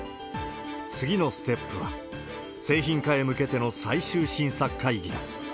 次のステップは、製品化へ向けての最終審査会議だ。